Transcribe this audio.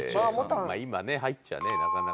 今ね入っちゃねなかなか。